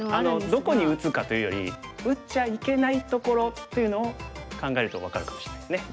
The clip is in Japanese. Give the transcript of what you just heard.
どこに打つかというより打っちゃいけないところっていうのを考えると分かるかもしれないですね。